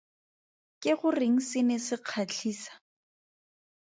Ke goreng se ne se kgatlhisa?